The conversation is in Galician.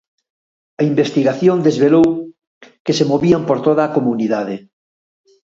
A investigación desvelou que se movían por toda a comunidade.